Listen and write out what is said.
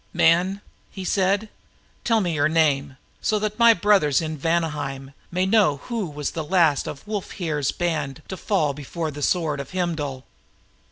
"Man of the raven locks," said he, "tell me your name, so that my brothers in Vanaheim may know who was the last of Wulfhere's band to fall before the sword of Heimdul."